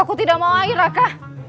aku tidak mau lahir raka